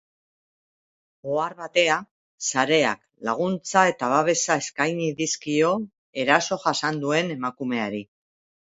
Ohar batea, sareak laguntza eta babesa eskaini dizkio erasoa jasan duen emakumeari.